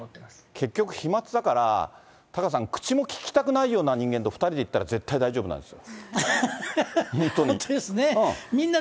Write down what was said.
結局、飛まつだから、タカさん、口もききたくないような人間と２人で行ったら、絶対大丈夫なんですよ。